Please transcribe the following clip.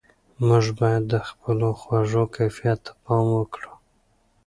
موږ باید د خپلو خوړو کیفیت ته پام وکړو.